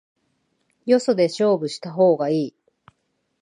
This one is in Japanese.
よそで勝負した方がいい